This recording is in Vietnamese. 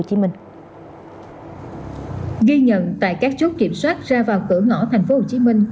ghi nhận tại các chốt kiểm soát ra vào cửa ngõ tp hcm